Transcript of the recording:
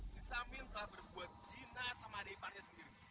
si samir telah berbuat gina sama adik iparnya sendiri